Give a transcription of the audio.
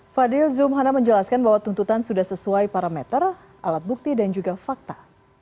fadil zumhana menjelaskan bahwa tuntutan sudah sesuai parameter alat bukti dan juga fakta